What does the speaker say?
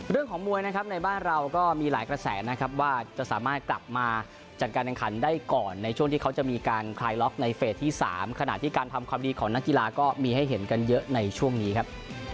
เรื่องของมวยนะครับในบ้านเราก็มีหลายกระแสนะครับว่าจะสามารถกลับมาจัดการแข่งขันได้ก่อนในช่วงที่เขาจะมีการคลายล็อกในเฟสที่๓ขณะที่การทำความดีของนักกีฬาก็มีให้เห็นกันเยอะในช่วงนี้ครับ